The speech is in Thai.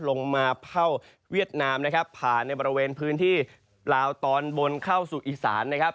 ลงมาเข้าเวียดนามนะครับผ่านในบริเวณพื้นที่ลาวตอนบนเข้าสู่อีสานนะครับ